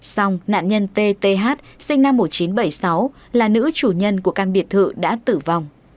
xong nạn nhân t t h sinh năm một nghìn chín trăm bảy mươi sáu là nữ chủ nhân của căn biệt thự đã tử vong